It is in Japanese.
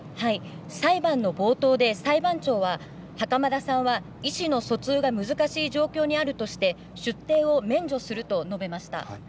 裁判の冒頭で裁判長は袴田さんは意思の疎通が難しい状況にあるとして出廷を免除すると述べました。